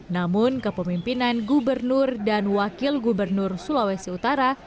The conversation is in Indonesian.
namun kepemimpinan gubernur dan wakil gubernur sulawesi utara